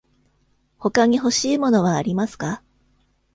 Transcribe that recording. ほかに欲しい物はありますか。